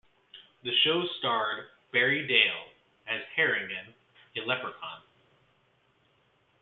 The show starred Barry Dale as Harrigan, a leprechaun.